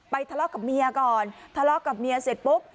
ทะเลาะกับเมียก่อนทะเลาะกับเมียเสร็จปุ๊บ